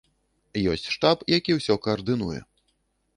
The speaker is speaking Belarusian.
Ёсць штаб, які ўсё каардынуе.